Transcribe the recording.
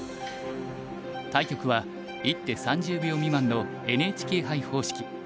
対局は１手３０秒未満のＮＨＫ杯方式。